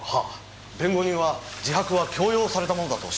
弁護人は自白は強要されたものと主張してます。